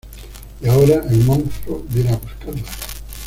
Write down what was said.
Y ahora el monstruo viene a buscarla.